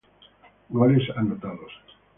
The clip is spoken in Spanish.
Goles Anotados.